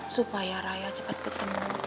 supaya raya cepet ketemu